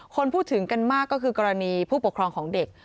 คนพูดถึงกันมากก็คือกรณีผู้ปกครองของเด็ก